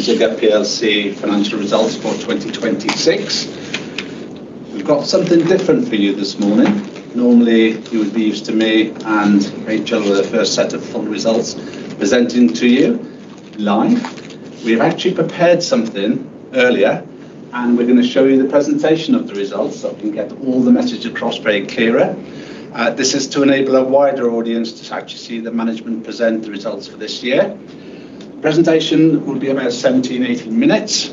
ZIGUP plc financial results for 2026. We've got something different for you this morning. Normally, you would be used to me and Rachel with the first set of full results presenting to you live. We've actually prepared something earlier, and we're going to show you the presentation of the results so we can get all the message across very clearly. This is to enable a wider audience to actually see the management present the results for this year. The presentation will be about 17, 18 minutes.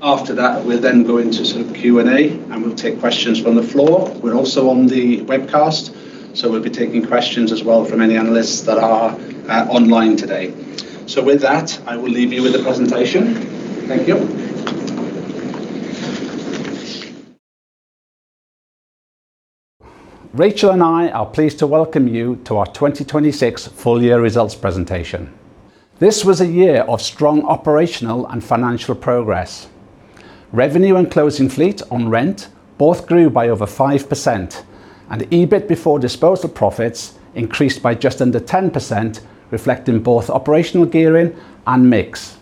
After that, we'll then go into some Q&A, and we'll take questions from the floor. We're also on the webcast, so we'll be taking questions as well from any analysts that are online today. With that, I will leave you with the presentation. Thank you. Rachel and I are pleased to welcome you to our 2026 full year results presentation. This was a year of strong operational and financial progress. Revenue and closing fleet on rent both grew by over 5%, and EBIT before disposal profits increased by just under 10%, reflecting both operational gearing and mix.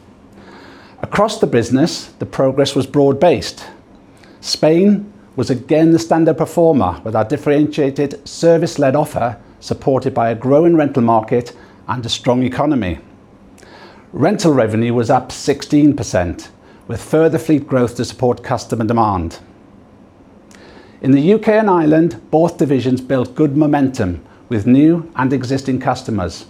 Across the business, the progress was broad-based. Spain was again the standout performer with our differentiated service-led offer, supported by a growing rental market and a strong economy. Rental revenue was up 16%, with further fleet growth to support customer demand. In the U.K. and Ireland, both divisions built good momentum with new and existing customers.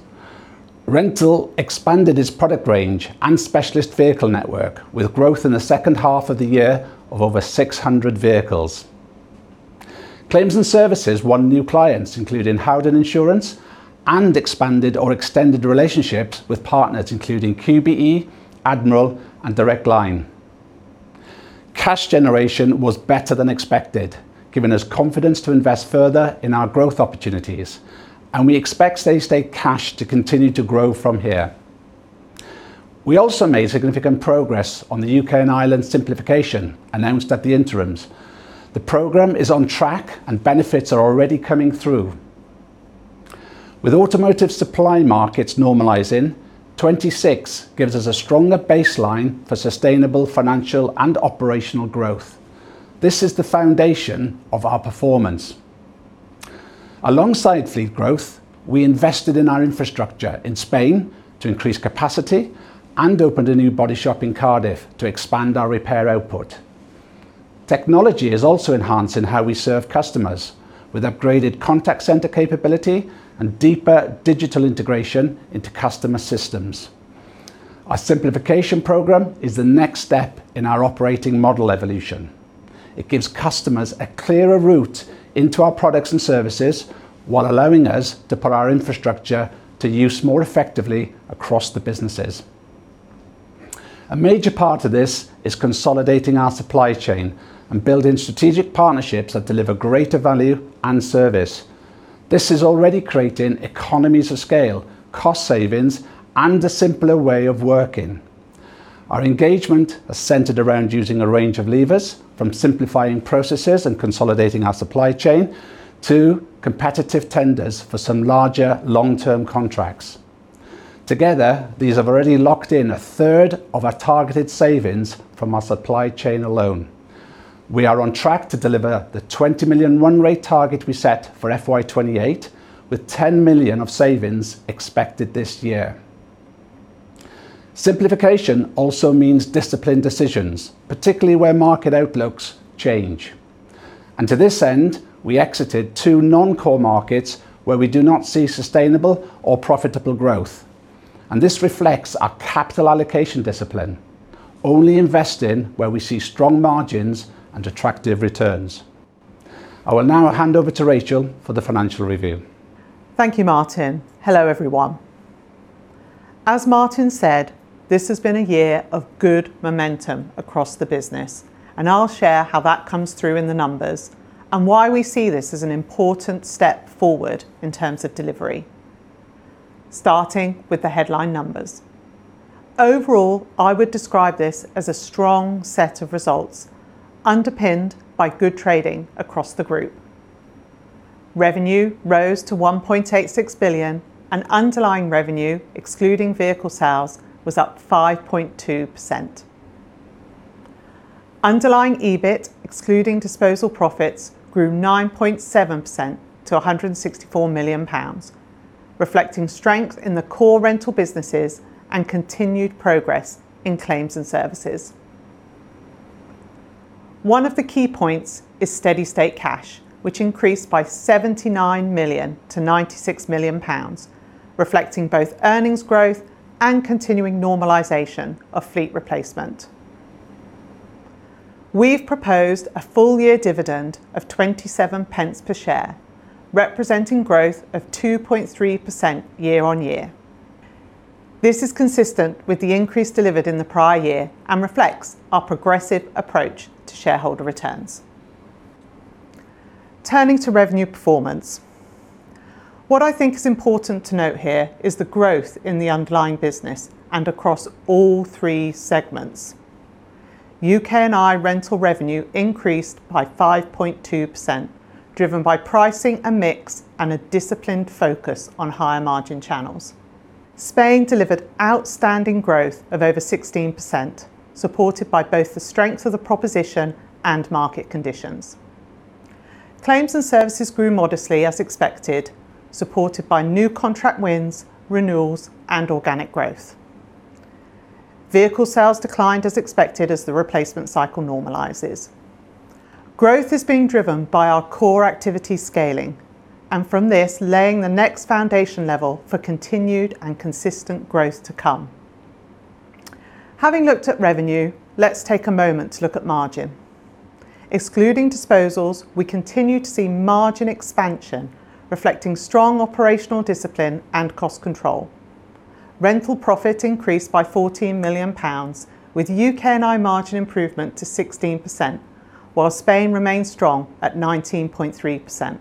Rental expanded its product range and specialist vehicle network with growth in the second half of the year of over 600 vehicles. Claims and services won new clients, including Howden Insurance and expanded or extended relationships with partners including QBE, Admiral, and Direct Line. Cash generation was better than expected, giving us confidence to invest further in our growth opportunities, and we expect steady state cash to continue to grow from here. We also made significant progress on the U.K. and Ireland simplification announced at the interims. The program is on track, and benefits are already coming through. With automotive supply markets normalizing, 2026 gives us a stronger baseline for sustainable financial and operational growth. This is the foundation of our performance. Alongside fleet growth, we invested in our infrastructure in Spain to increase capacity and opened a new body shop in Cardiff to expand our repair output. Technology is also enhancing how we serve customers with upgraded contact center capability and deeper digital integration into customer systems. Our simplification program is the next step in our operating model evolution. It gives customers a clearer route into our products and services while allowing us to put our infrastructure to use more effectively across the businesses. A major part of this is consolidating our supply chain and building strategic partnerships that deliver greater value and service. This is already creating economies of scale, cost savings, and a simpler way of working. Our engagement is centered around using a range of levers, from simplifying processes and consolidating our supply chain to competitive tenders for some larger long-term contracts. Together, these have already locked in a third of our targeted savings from our supply chain alone. We are on track to deliver the 20 million run rate target we set for FY 2028, with 10 million of savings expected this year. Simplification also means disciplined decisions, particularly where market outlooks change. To this end, we exited two non-core markets where we do not see sustainable or profitable growth. This reflects our capital allocation discipline, only investing where we see strong margins and attractive returns. I will now hand over to Rachel for the financial review. Thank you, Martin. Hello, everyone. As Martin said, this has been a year of good momentum across the business, and I'll share how that comes through in the numbers and why we see this as an important step forward in terms of delivery. Starting with the headline numbers. Overall, I would describe this as a strong set of results underpinned by good trading across the group. Revenue rose to 1.86 billion and underlying revenue, excluding vehicle sales, was up 5.2%. Underlying EBIT, excluding disposal profits, grew 9.7% to 164 million pounds, reflecting strength in the core rental businesses and continued progress in claims and services. One of the key points is steady state cash, which increased by 79 million to 96 million pounds, reflecting both earnings growth and continuing normalization of fleet replacement. We've proposed a full year dividend of 0.27 per share, representing growth of 2.3% year-over-year. This is consistent with the increase delivered in the prior year and reflects our progressive approach to shareholder returns. Turning to revenue performance. What I think is important to note here is the growth in the underlying business and across all three segments. UK&I rental revenue increased by 5.2%, driven by pricing and mix and a disciplined focus on higher margin channels. Spain delivered outstanding growth of over 16%, supported by both the strength of the proposition and market conditions. Claims and services grew modestly as expected, supported by new contract wins, renewals, and organic growth. Vehicle sales declined as expected as the replacement cycle normalizes. From this laying the next foundation level for continued and consistent growth to come. Having looked at revenue, let's take a moment to look at margin. Excluding disposals, we continue to see margin expansion reflecting strong operational discipline and cost control. Rental profit increased by 14 million pounds with UK&I margin improvement to 16%, while Spain remained strong at 19.3%.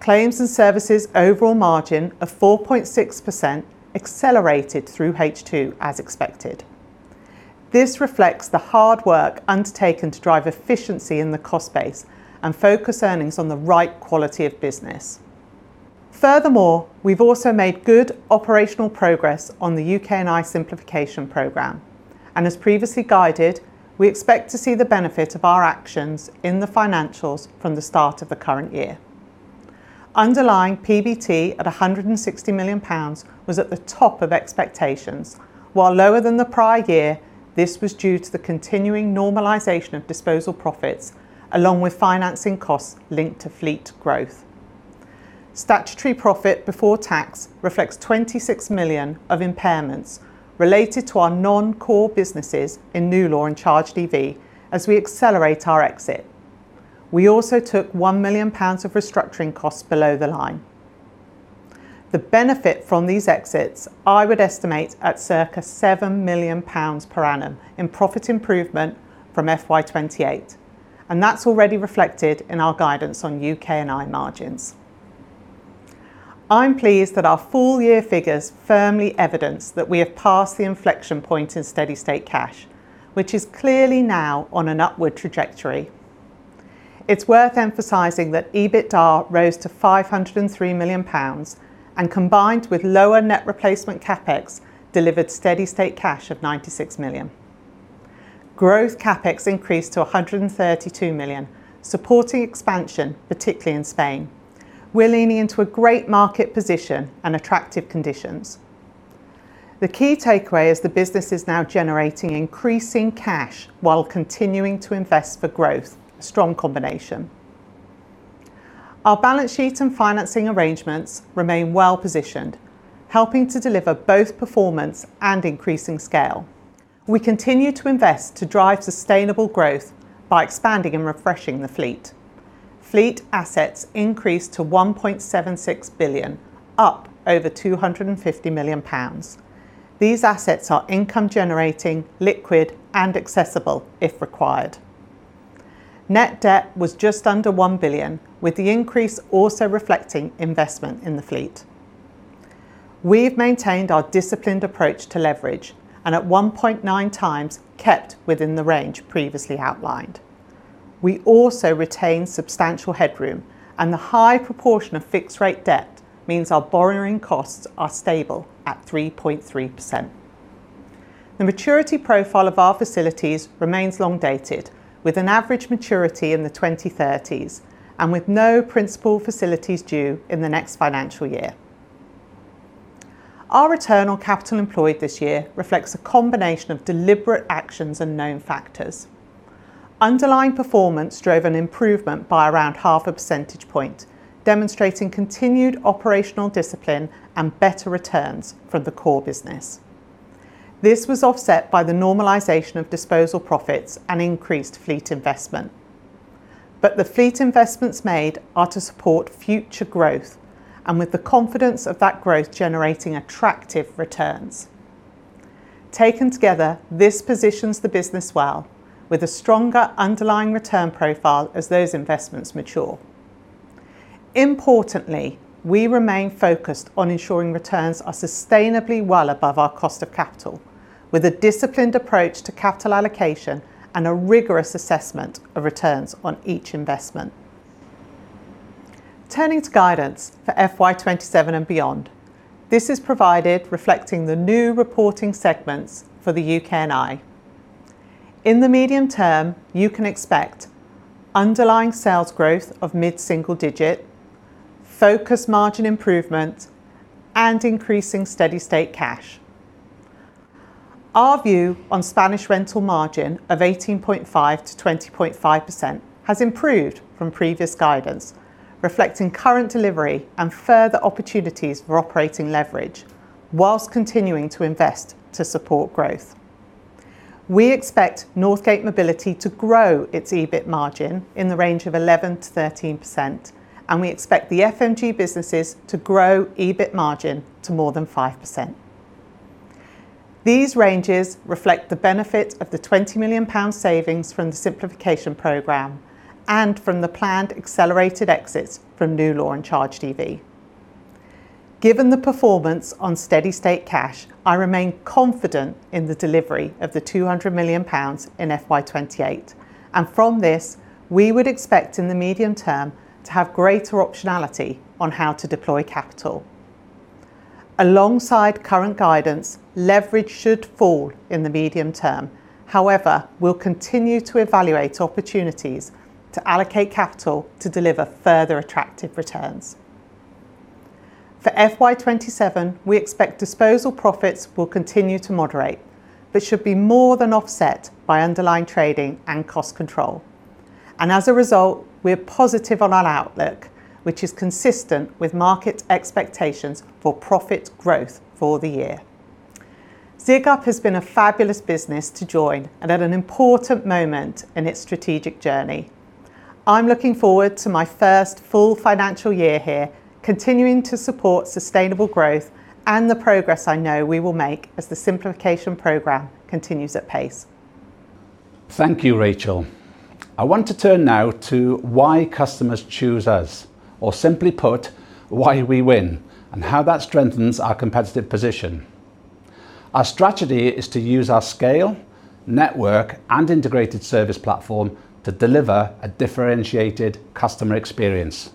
Claims and services overall margin of 4.6% accelerated through H2 as expected. This reflects the hard work undertaken to drive efficiency in the cost base and focus earnings on the right quality of business. Furthermore, we've also made good operational progress on the UK&I simplification program. As previously guided, we expect to see the benefit of our actions in the financials from the start of the current year. Underlying PBT at 160 million pounds was at the top of expectations. While lower than the prior year, this was due to the continuing normalization of disposal profits, along with financing costs linked to fleet growth. Statutory profit before tax reflects 26 million of impairments related to our non-core businesses in NewLaw and ChargedEV as we accelerate our exit. We also took 1 million pounds of restructuring costs below the line. The benefit from these exits I would estimate at circa 7 million pounds per annum in profit improvement from FY 2028, and that's already reflected in our guidance on UK&I margins. I'm pleased that our full year figures firmly evidence that we have passed the inflection point in steady state cash, which is clearly now on an upward trajectory. It's worth emphasizing that EBITDA rose to 503 million pounds, and combined with lower net replacement CapEx delivered steady state cash of 96 million. Growth CapEx increased to 132 million, supporting expansion, particularly in Spain. We're leaning into a great market position and attractive conditions. The key takeaway is the business is now generating increasing cash while continuing to invest for growth. A strong combination. Our balance sheet and financing arrangements remain well-positioned, helping to deliver both performance and increasing scale. We continue to invest to drive sustainable growth by expanding and refreshing the fleet. Fleet assets increased to 1.76 billion, up over 250 million pounds. These assets are income generating, liquid, and accessible if required. Net debt was just under 1 billion, with the increase also reflecting investment in the fleet. We've maintained our disciplined approach to leverage, and at 1.9x kept within the range previously outlined. We also retain substantial headroom, and the high proportion of fixed rate debt means our borrowing costs are stable at 3.3%. The maturity profile of our facilities remains long dated, with an average maturity in the 2030s and with no principal facilities due in the next financial year. Our return on capital employed this year reflects a combination of deliberate actions and known factors. Underlying performance drove an improvement by around 0.5 percentage point, demonstrating continued operational discipline and better returns from the core business. This was offset by the normalization of disposal profits and increased fleet investment. The fleet investments made are to support future growth and with the confidence of that growth generating attractive returns. Taken together, this positions the business well with a stronger underlying return profile as those investments mature. Importantly, we remain focused on ensuring returns are sustainably well above our cost of capital, with a disciplined approach to capital allocation and a rigorous assessment of returns on each investment. Turning to guidance for FY 2027 and beyond, this is provided reflecting the new reporting segments for the UK&I. In the medium term, you can expect underlying sales growth of mid-single digit, focused margin improvement, and increasing steady-state cash. Our view on Spanish rental margin of 18.5%-20.5% has improved from previous guidance, reflecting current delivery and further opportunities for operating leverage whilst continuing to invest to support growth. We expect Northgate Mobility to grow its EBIT margin in the range of 11%-13%, and we expect the FMG businesses to grow EBIT margin to more than 5%. These ranges reflect the benefit of the 20 million pound savings from the simplification program and from the planned accelerated exits from NewLaw and ChargedEV. Given the performance on steady state cash, I remain confident in the delivery of the 200 million pounds in FY 2028. From this, we would expect in the medium term to have greater optionality on how to deploy capital. Alongside current guidance, leverage should fall in the medium term. However, we'll continue to evaluate opportunities to allocate capital to deliver further attractive returns. For FY 2027, we expect disposal profits will continue to moderate, but should be more than offset by underlying trading and cost control. As a result, we're positive on our outlook, which is consistent with market expectations for profit growth for the year. ZIGUP has been a fabulous business to join and at an important moment in its strategic journey. I'm looking forward to my first full financial year here, continuing to support sustainable growth and the progress I know we will make as the simplification program continues at pace. Thank you, Rachel. I want to turn now to why customers choose us, or simply put, why we win, and how that strengthens our competitive position. Our strategy is to use our scale, network, and integrated service platform to deliver a differentiated customer experience.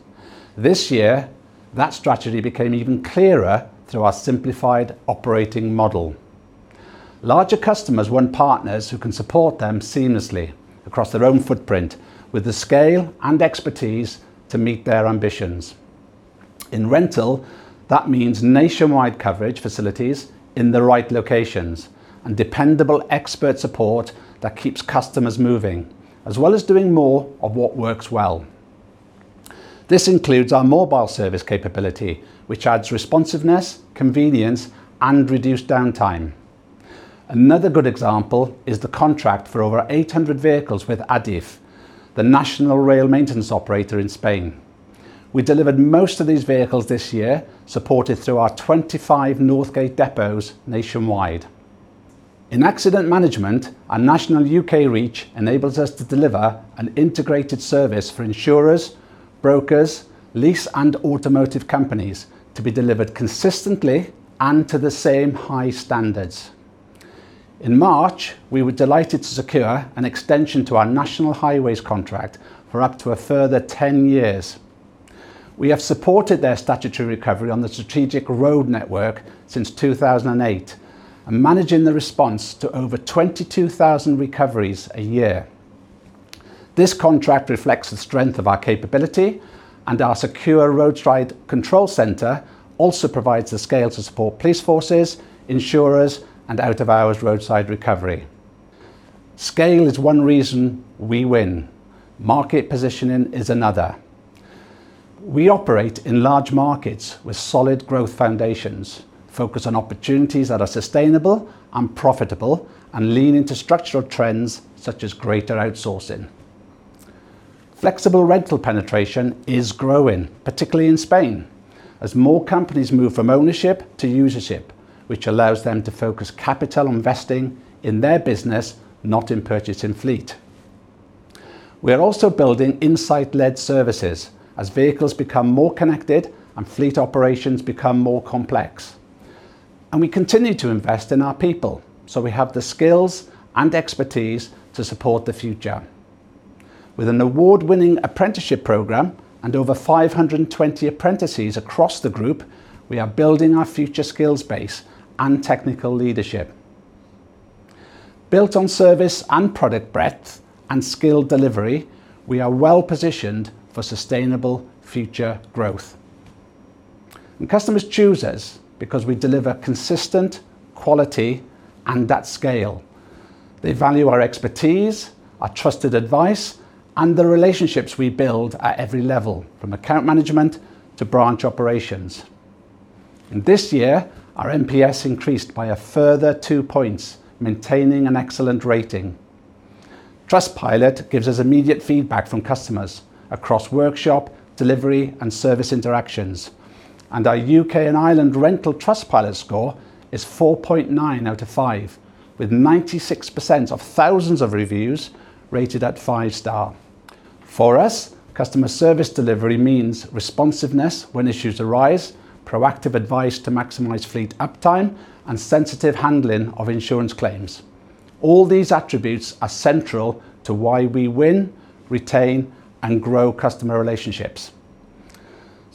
This year, that strategy became even clearer through our simplified operating model. Larger customers want partners who can support them seamlessly across their own footprint with the scale and expertise to meet their ambitions. In rental, that means nationwide coverage facilities in the right locations and dependable expert support that keeps customers moving, as well as doing more of what works well. This includes our mobile service capability, which adds responsiveness, convenience, and reduced downtime. Another good example is the contract for over 800 vehicles with Adif, the national rail maintenance operator in Spain. We delivered most of these vehicles this year, supported through our 25 Northgate depots nationwide. In accident management, our national U.K. reach enables us to deliver an integrated service for insurers, brokers, lease, and automotive companies to be delivered consistently and to the same high standards. In March, we were delighted to secure an extension to our National Highways contract for up to a further 10 years. We have supported their statutory recovery on the strategic road network since 2008, and managing the response to and technical leadership. Built on service and product breadth and skill delivery, we are well-positioned for sustainable future growth. Customers choose us because we deliver consistent quality and at scale. They value our expertise, our trusted advice, and the relationships we build at every level, from account management to branch operations. In this year, our NPS increased by a further 2 points, maintaining an excellent rating. Trustpilot gives us immediate feedback from customers across workshop, delivery, and service interactions, and our U.K. and Ireland rental Trustpilot score is 4.9/5, with 96% of thousands of reviews rated at five-star. For us, customer service delivery means responsiveness when issues arise, proactive advice to maximize fleet uptime, and sensitive handling of insurance claims. All these attributes are central to why we win, retain, and grow customer relationships.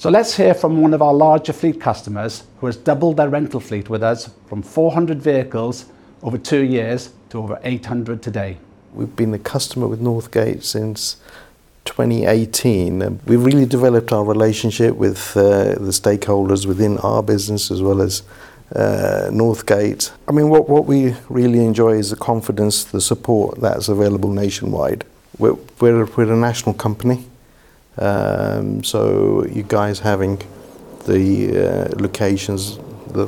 Let's hear from one of our larger fleet customers who has doubled their rental fleet with us from 400 vehicles over two years to over 800 today. We've been a customer with Northgate since 2018. We really developed our relationship with the stakeholders within our business as well as Northgate. What we really enjoy is the confidence, the support that's available nationwide. We're a national company, you guys having the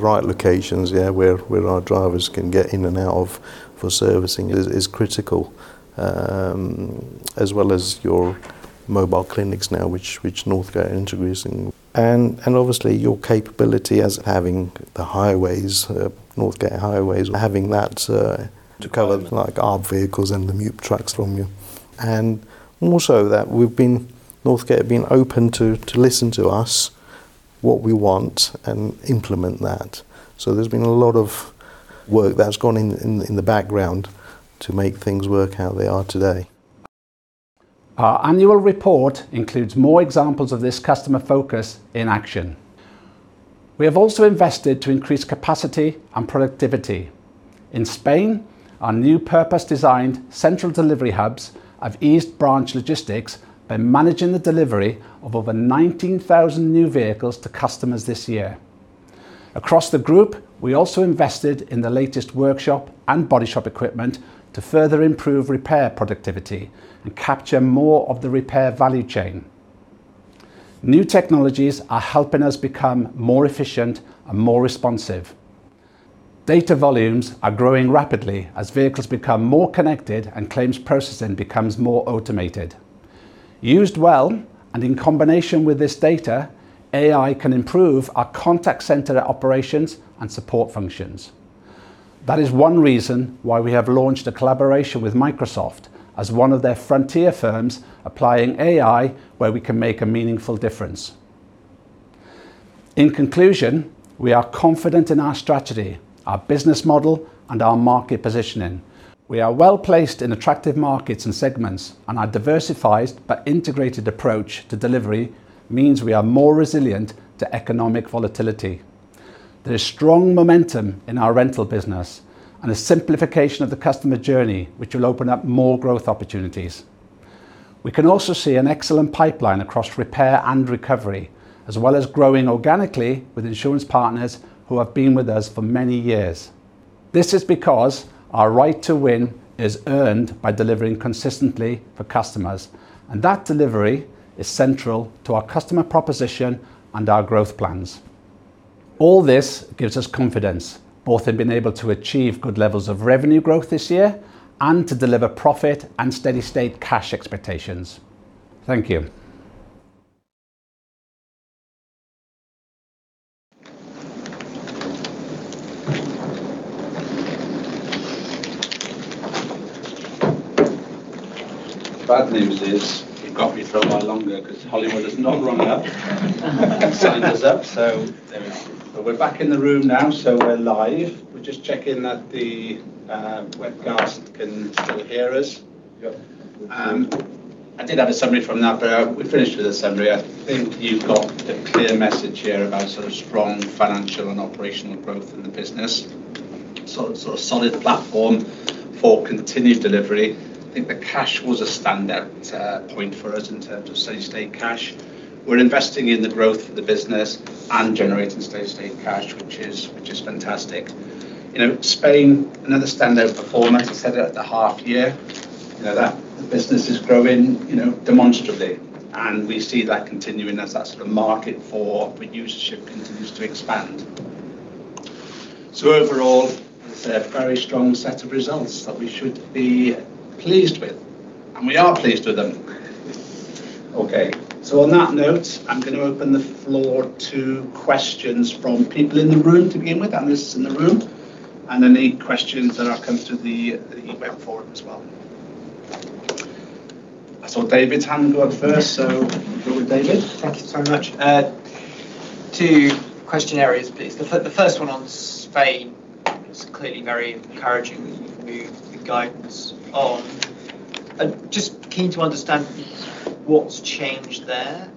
right locations where our drivers can get in and out of for servicing is critical, as well as your mobile clinics now, which Northgate are introducing. Obviously, your capability as having the highways, Northgate Highways, having that to cover our vehicles and the new trucks from you Also that Northgate have been open to listen to us, what we want, and implement that. There's been a lot of work that's gone in the background to make things work how they are today. Our annual report includes more examples of this customer focus in action. We have also invested to increase capacity and productivity. In Spain, our new purpose-designed central delivery hubs have eased branch logistics by managing the delivery of over 19,000 new vehicles to customers this year. Across the group, we also invested in the latest workshop and body shop equipment to further improve repair productivity and capture more of the repair value chain. New technologies are helping us become more efficient and more responsive. Data volumes are growing rapidly as vehicles become more connected and claims processing becomes more automated. Used well, and in combination with this data, AI can improve our contact center operations and support functions. That is one reason why we have launched a collaboration with Microsoft as one of their frontier firms applying AI where we can make a meaningful difference. In conclusion, we are confident in our strategy, our business model, and our market positioning. We are well-placed in attractive markets and segments, and our diversified but integrated approach to delivery means we are more resilient to economic volatility. There is strong momentum in our rental business and a simplification of the customer journey, which will open up more growth opportunities. We can also see an excellent pipeline across repair and recovery, as well as growing organically with insurance partners who have been with us for many years. This is because our right to win is earned by delivering consistently for customers. That delivery is central to our customer proposition and our growth plans. All this gives us confidence both in being able to achieve good levels of revenue growth this year and to deliver profit and steady-state cash expectations. Thank you. The bad news is you've got me for a while longer because Hollywood has not rung up and signed us up. We're back in the room now, we're live. We're just checking that the webcast can still hear us. Yep. I did have a summary from that, we've finished with the summary. I think you've got the clear message here about strong financial and operational growth in the business, a solid platform for continued delivery. I think the cash was a standout point for us in terms of steady-state cash. We're investing in the growth of the business and generating steady-state cash, which is fantastic. Spain, another standout performer. As I said at the half year, that business is growing demonstrably, and we see that continuing as that market for usership continues to expand. Overall, it's a very strong set of results that we should be pleased with, we are pleased with them. Okay. On that note, I'm going to open the floor to questions from people in the room to begin with, analysts in the room, and any questions that have come through the email forum as well. I saw David's hand go up first. Go with David. Thank you so much. Two question areas, please. The first one on Spain. It's clearly very encouraging that you've moved the guidance on. Just keen to understand what's changed there.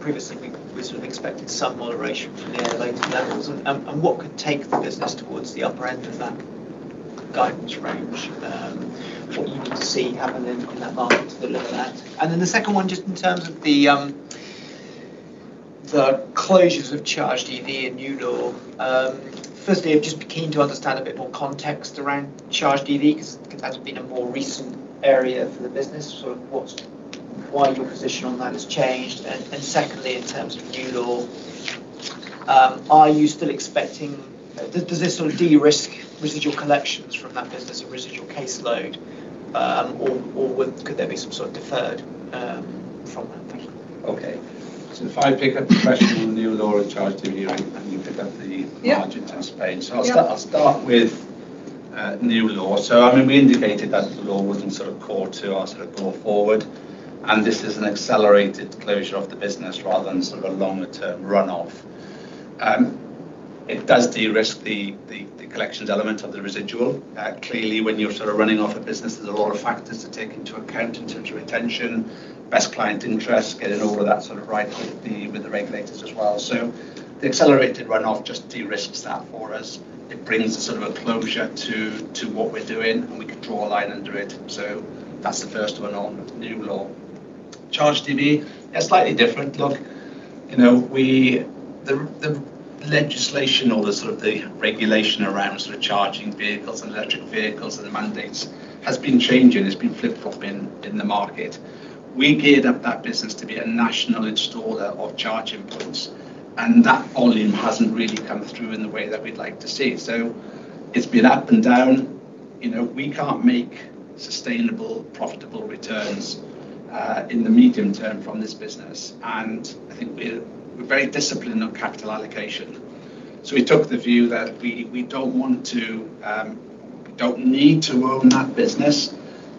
Previously, we sort of expected some moderation from the elevated levels. What could take the business towards the upper end of that guidance range? What you can see happening in that market to deliver that. The second one, just in terms of the closures of ChargedEV and NewLaw. Firstly, I'm just keen to understand a bit more context around ChargedEV because that's been a more recent area for the business. Sort of why your position on that has changed. Secondly, in terms of NewLaw, are you still expecting, does this sort of de-risk residual collections from that business or residual caseload, or could there be some sort of deferred from that? Thank you. Okay. If I pick up the question on NewLaw and ChargedEV, and you pick up the margin in Spain. I'll start with NewLaw. We indicated that the law wasn't core to our go forward, and this is an accelerated closure of the business rather than a longer-term runoff. It does de-risk the collections element of the residual. Clearly, when you're running off a business, there's a lot of factors to take into account in terms of retention, best client interests, getting over that sort of right hook with the regulators as well. The accelerated runoff just de-risks that for us. It brings a sort of a closure to what we're doing, and we can draw a line under it. That's the first one on NewLaw. ChargedEV, a slightly different look. The legislation or the regulation around charging vehicles and electric vehicles and the mandates has been changing. It's been flip-flopping in the market. We geared up that business to be a national installer of charging points, and that volume hasn't really come through in the way that we'd like to see. It's been up and down. We can't make sustainable, profitable returns in the medium term from this business. I think we're very disciplined on capital allocation. We took the view that we don't want to, don't need to own that business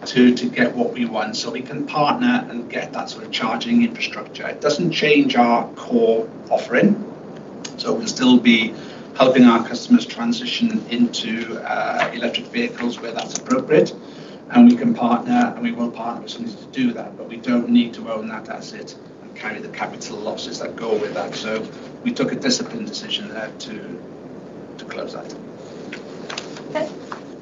to get what we want. We can partner and get that sort of charging infrastructure. It doesn't change our core offering, so we'll still be helping our customers transition into electric vehicles where that's appropriate. We can partner, and we will partner with somebody to do that, but we don't need to own that asset and carry the capital losses that go with that. We took a disciplined decision there to close that.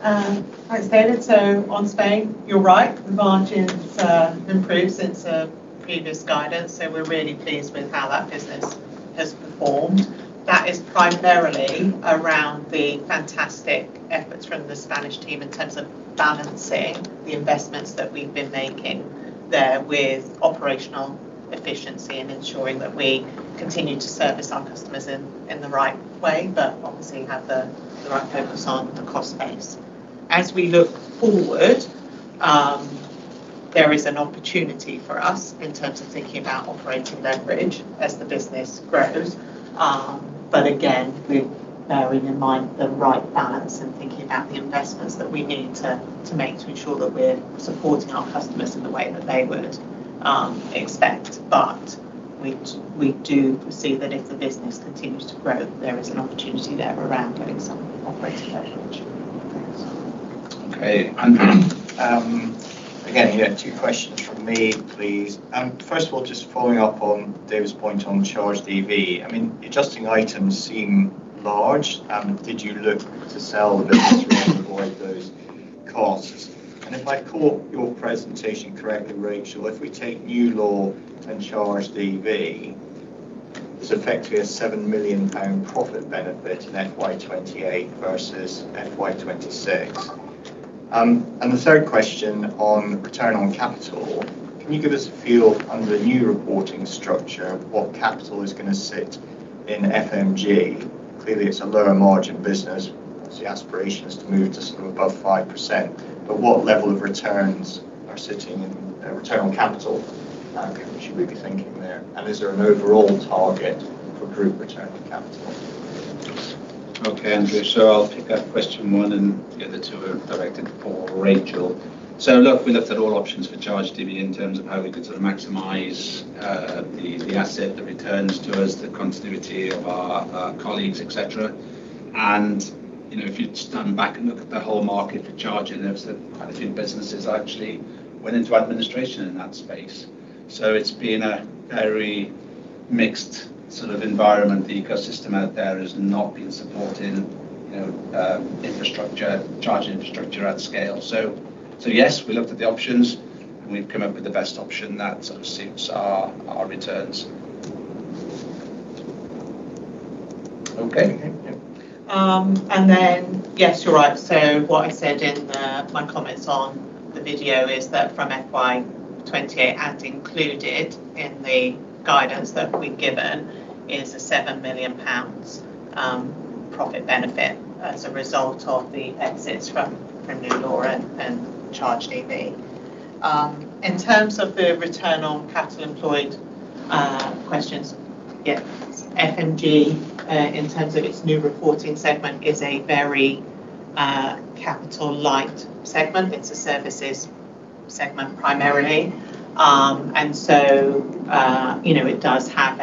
Okay. I understand. On Spain, you're right, the margins have improved since previous guidance. We're really pleased with how that business has performed. That is primarily around the fantastic efforts from the Spanish team in terms of balancing the investments that we've been making there with operational efficiency and ensuring that we continue to service our customers in the right way, but obviously have the right focus on the cost base. As we look forward, there is an opportunity for us in terms of thinking about operating leverage as the business grows. Again, with bearing in mind the right balance and thinking about the investments that we need to make to ensure that we're supporting our customers in the way that they would expect. We do foresee that if the business continues to grow, there is an opportunity there around getting some operating leverage. Thanks. Okay. Andrew here. Again, two questions from me, please. First of all, just following up on David's point on ChargedEV, adjusting items seem large. Did you look to sell the business to avoid those costs? If I caught your presentation correctly, Rachel, if we take NewLaw and ChargedEV, it's effectively a 7 million pound profit benefit in FY 2028 versus FY 2026. The third question on return on capital, can you give us a feel under the new reporting structure what capital is going to sit in FMG? Clearly, it's a lower margin business. Obviously, the aspiration is to move to above 5%. What level of returns are sitting in return on capital? How should we be thinking there? Is there an overall target for group return on capital? Okay, Andrew, I'll pick up question one, and the other two are directed for Rachel. Look, we looked at all options for ChargedEV in terms of how we could maximize the asset, the returns to us, the continuity of our colleagues, et cetera. If you stand back and look at the whole market for charging, there are quite a few businesses that actually went into administration in that space. It's been a very mixed environment. The ecosystem out there has not been supporting infrastructure, charging infrastructure at scale. Yes, we looked at the options, and we've come up with the best option that suits our returns. Then, yes, you're right. What I said in my comments on the video is that from FY 2028 and included in the guidance that we've given is a 7 million pounds profit benefit as a result of the exits from NewLaw and ChargedEV. In terms of the return on capital employed questions, FMG, in terms of its new reporting segment, is a very capital light segment. It's a services segment primarily. It does have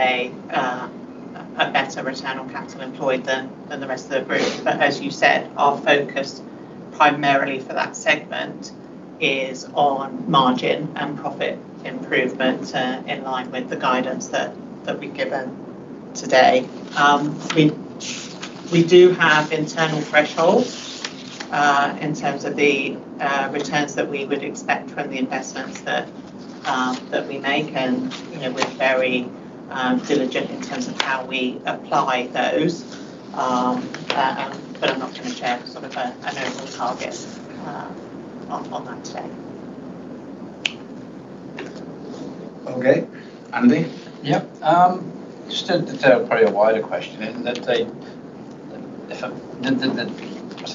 a better return on capital employed than the rest of the group. As you said, our focus primarily for that segment is on margin and profit improvement, in line with the guidance that we've given today. We do have internal thresholds in terms of the returns that we would expect from the investments that we make, and we're very diligent in terms of how we apply those. I'm not going to share an overall target on that today. Okay. Andy? Yeah. Just probably a wider question. In the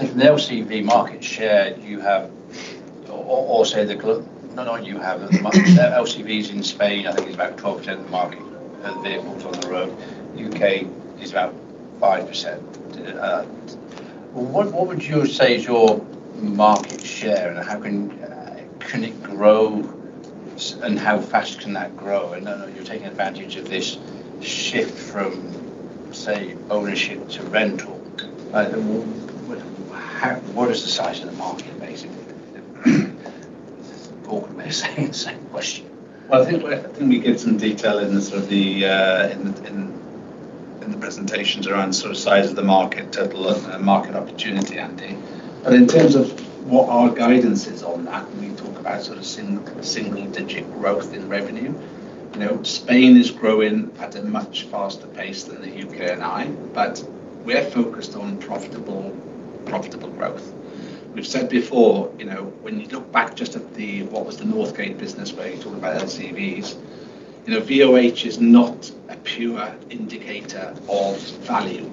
LCV market share you have, or say the LCVs in Spain, I think it's about 12% of the market vehicles on the road. U.K. is about 5%. What would you say is your market share, and how can it grow, and how fast can that grow? I know you're taking advantage of this shift from, say, ownership to rental. What is the size of the market, basically? Awkwardly the same question. Well, I think we give some detail in the presentations around size of the market, total market opportunity, Andy. In terms of what our guidance is on that, we talk about single-digit growth in revenue. Spain is growing at a much faster pace than the UK&I. We're focused on profitable growth. We've said before, when you look back just at the, what was the Northgate business, where you're talking about LCVs VOH is not a pure indicator of value,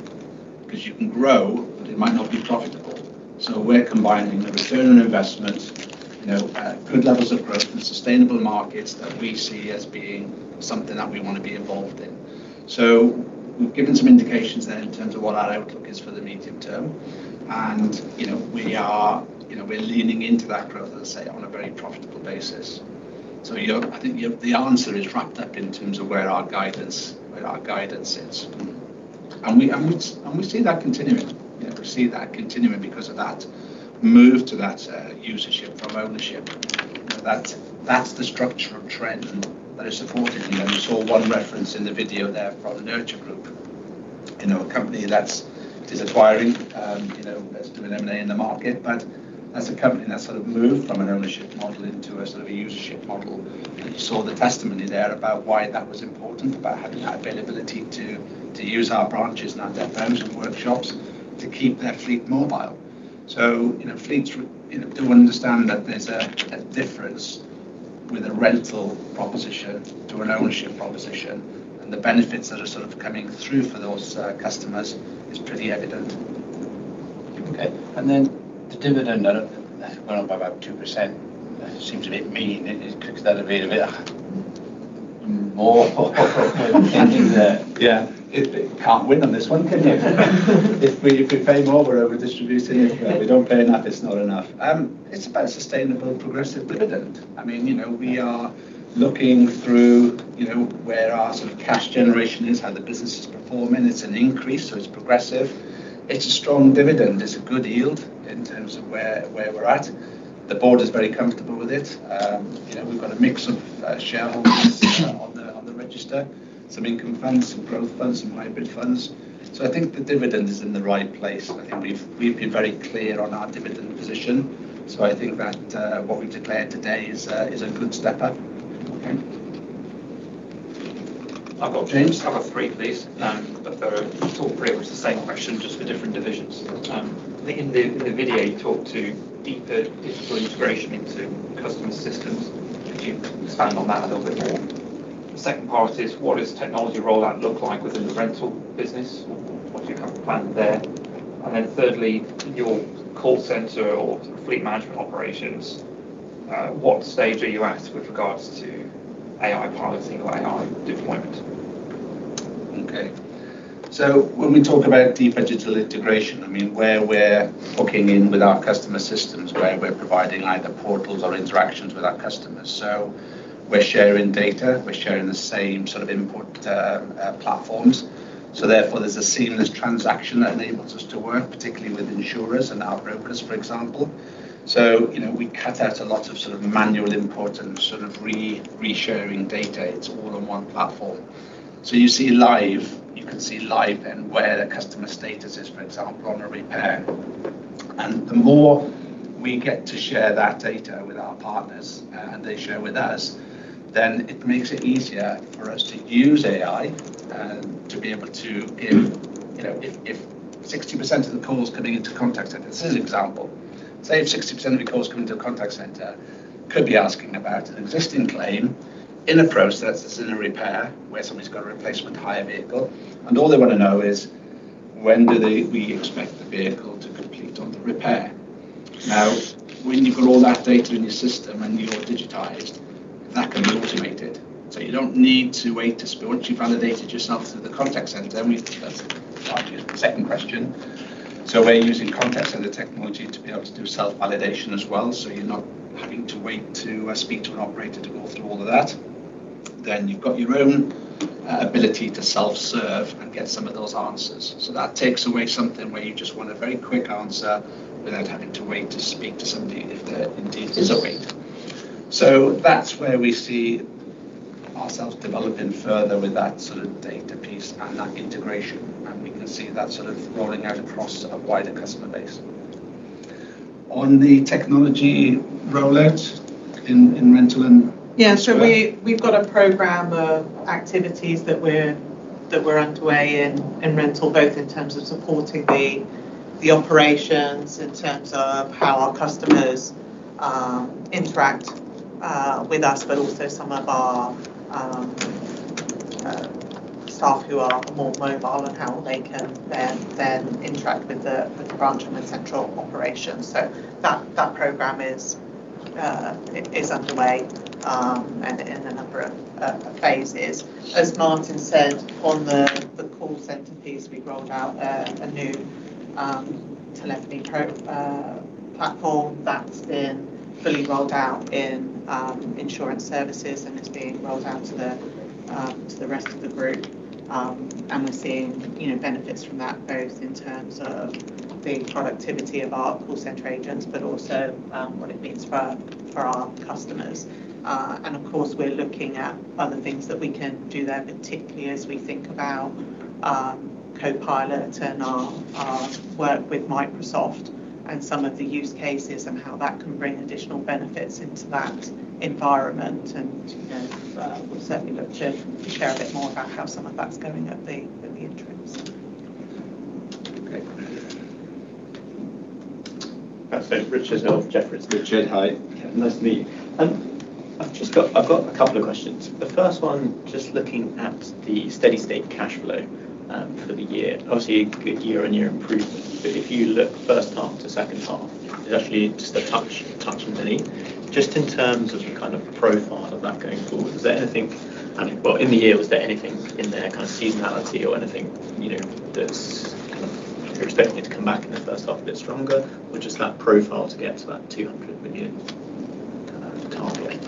because you can grow, but it might not be profitable. We're combining a return on investment, good levels of growth and sustainable markets that we see as being something that we want to be involved in. We've given some indications then in terms of what our outlook is for the medium term. We're leaning into that growth, let's say, on a very profitable basis. I think the answer is wrapped up in terms of where our guidance is. We see that continuing. We see that continuing because of that move to that usership from ownership. That's the structural trend that is supported. You saw one reference in the video there from The Nurture Group, a company that is acquiring, that's doing M&A in the market. As a company, that move from an ownership model into a usership model, and you saw the testimony there about why that was important, about having that availability to use our branches and our depots and workshops to keep their fleet mobile. Fleets will understand that there's a difference with a rental proposition to an ownership proposition, and the benefits that are coming through for those customers is pretty evident. Okay. The dividend went up by about 2%. Seems a bit mean. Could that have been a bit more in there? Yeah. You can't win on this one, can you? If we pay more, we're over-distributing. If we don't pay enough, it's not enough. It's about a sustainable progressive dividend. We are looking through where our cash generation is, how the business is performing. It's an increase, so it's progressive. It's a strong dividend. It's a good yield in terms of where we're at. The board is very comfortable with it. We've got a mix of shareholders on the register. Some income funds, some growth funds, some hybrid funds. I think the dividend is in the right place. I think we've been very clear on our dividend position. I think that what we've declared today is a good step up. Okay. I've got James. Can I just have a three, please? They're all pretty much the same question, just for different divisions. I think in the video, you talked to deeper digital integration into customer systems. Could you expand on that a little bit more? The second part is, what does technology rollout look like within the rental business? What do you have planned there? Thirdly, your call center or fleet management operations, what stage are you at with regards to AI piloting or AI deployment? Okay. When we talk about deep digital integration, where we're hooking in with our customer systems, where we're providing either portals or interactions with our customers. We're sharing data, we're sharing the same input platforms. Therefore, there's a seamless transaction that enables us to work, particularly with insurers and our brokers, for example. We cut out a lot of manual input and re-sharing data. It's all on one platform. You see live. You can see live and where the customer status is, for example, on a repair. The more we get to share that data with our partners, and they share with us, it makes it easier for us to use AI and to be able to, if 60% of the calls coming into contact center, this is an example, say if 60% of the calls coming to a contact center could be asking about an existing claim in a process that's in a repair where somebody's got a replacement hire vehicle, and all they want to know is when do we expect the vehicle to complete on the repair. Now, when you've got all that data in your system and you're digitized, that can be automated. You don't need to wait to speak. Once you've validated yourself through the contact center, we've answered largely your second question. We're using contact center technology to be able to do self-validation as well, you're not having to wait to speak to an operator to go through all of that. You've got your own ability to self-serve and get some of those answers. That takes away something where you just want a very quick answer without having to wait to speak to somebody if there indeed is a wait. That's where we see ourselves developing further with that sort of data piece and that integration, and we can see that rolling out across a wider customer base. On the technology rollout in rental. Yeah. We've got a program of activities that were underway in rental, both in terms of supporting the operations, in terms of how our customers interact with us, but also some of our staff who are more mobile and how they can then interact with the branch and the central operations. That program is underway and in a number of phases. As Martin said, on the call center piece, we rolled out a new telephony platform that's been fully rolled out in insurance services, and it's being rolled out to the rest of the group. We're seeing benefits from that, both in terms of the productivity of our call center agents, but also what it means for our customers. Of course, we're looking at other things that we can do there, particularly as we think about Copilot and our work with Microsoft and some of the use cases and how that can bring additional benefits into that environment. We'll certainly look to share a bit more about how some of that's going at the interims. Richard of Jefferies. Richard, hi. Nice to meet you. I've got a couple of questions. The first one, just looking at the steady state cash flow for the year. Obviously, a good year-over-year improvement, if you look first half to second half, it's actually just a touch many. Just in terms of the kind of profile of that going forward. Well, in the year, was there anything in there, seasonality or anything, that you're expecting it to come back in the first half a bit stronger? Just that profile to get to that 200 million target?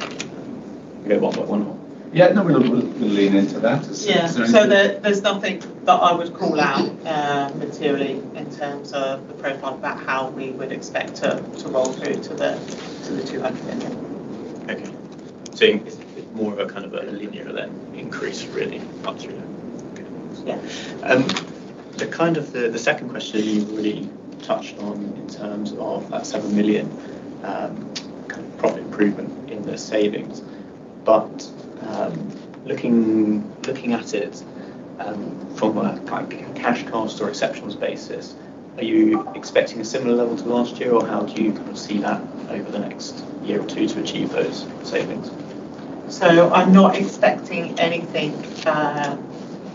You go one by one, or? Yeah. No, we'll lean into that. Yeah. There's nothing that I would call out materially in terms of the profile about how we would expect to roll through to the 200 million. Okay. It's more of a linear then increase, really, up through that. Yeah. The second question you've really touched on in terms of that 7 million profit improvement in the savings. Looking at it from a cash cost or exceptionals basis, are you expecting a similar level to last year? Or how do you see that over the next year or two to achieve those savings? I'm not expecting anything for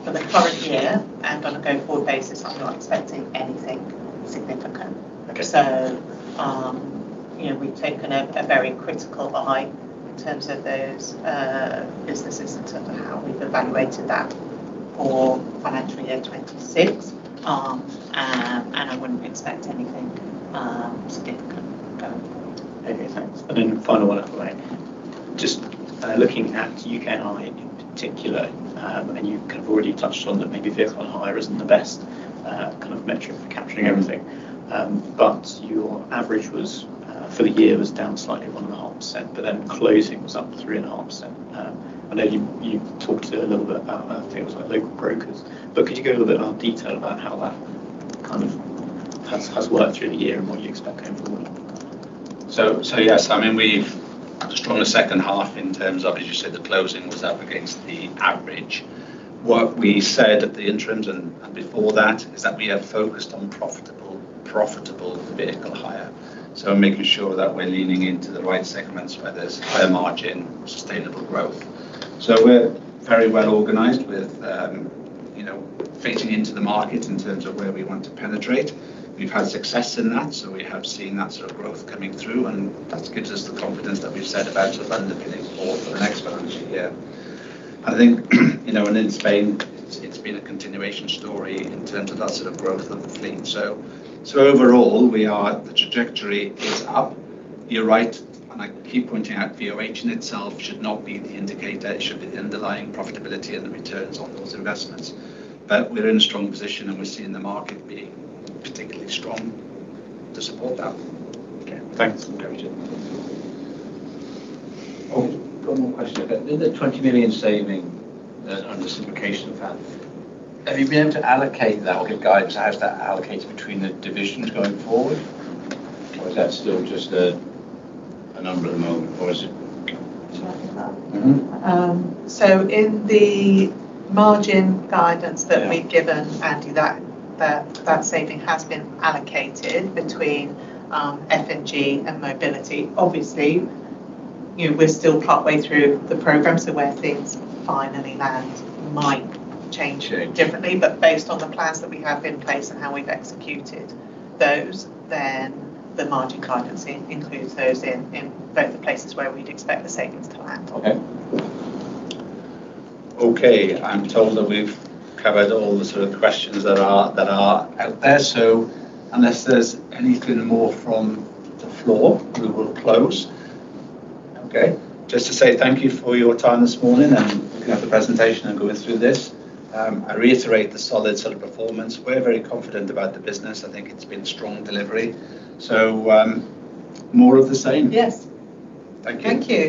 the current year, and on a going-forward basis, I'm not expecting anything significant. We've taken a very critical eye in terms of those businesses in terms of how we've evaluated that for financial year 2026. I wouldn't expect anything significant going forward. Okay, thanks. Final one. Just looking at UK&I in particular, and you've kind of already touched on that maybe vehicle hire isn't the best metric for capturing everything. Your average for the year was down slightly 1.5%, but then closing was up 3.5%. I know you talked a little bit about things like local brokers. Could you go a little bit in detail about how that has worked through the year and what you expect going forward? Yes. We've a strong second half in terms of, as you said, the closing was up against the average. What we said at the interims and before that, is that we have focused on profitable vehicle hire. Making sure that we're leaning into the right segments where there's higher margin or sustainable growth. We're very well-organized with facing into the market in terms of where we want to penetrate. We've had success in that, so we have seen that growth coming through, and that gives us the confidence that we've said about the underpinning for the next financial year. I think in Spain, it's been a continuation story in terms of that sort of growth of the fleet. Overall, the trajectory is up. You're right, and I keep pointing out VOH in itself should not be the indicator. It should be the underlying profitability and the returns on those investments. We're in a strong position, and we're seeing the market being particularly strong to support that. Okay, thanks. Got it. Oh, one more question. In the 20 million saving under simplification plan, have you been able to allocate that or give guidance how's that allocated between the divisions going forward? Is that still just a number at the moment, or is it? Shall I pick that up? In the margin guidance that we've given, Andy, that saving has been allocated between FMG and Mobility. Obviously, we're still partway through the program, so where things finally land might change differently. Based on the plans that we have in place and how we've executed those, then the margin guidance includes those in both the places where we'd expect the savings to land. Okay. I'm told that we've covered all the sort of questions that are out there. Unless there's anything more from the floor, we will close. Okay. Just to say thank you for your time this morning and looking at the presentation and going through this. I reiterate the solid sort of performance. We're very confident about the business. I think it's been strong delivery. More of the same. Yes. Thank you. Thank you.